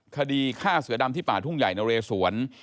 คดีฆ่าเสือดำที่ป่าทุ่งใหญ่นเรสวน